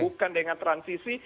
bukan dengan transisi